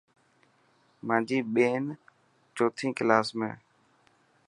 مانجي ٻين چوتي ڪلاس ۾.